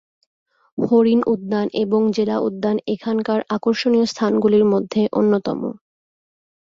হরিণ উদ্যান এবং জেলা উদ্যান এখানকার আকর্ষণীয় স্থানগুলির মধ্যে অন্যতম।